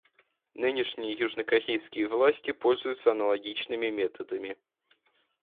Нынешние южнокорейские власти пользуются аналогичными методами.